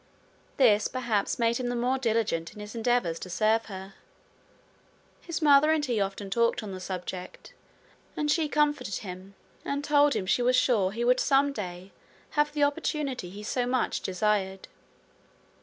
This perhaps made him the more diligent in his endeavours to serve her. His mother and he often talked on the subject, and she comforted him, and told him she was sure he would some day have the opportunity he so much desired.